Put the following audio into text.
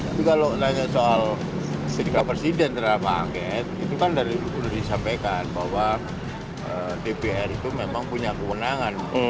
jika lo tanya soal sedika presiden terhadap angket itu kan udah disampaikan bahwa dpr itu memang punya kewenangan